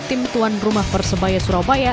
tim tuan rumah persebaya surabaya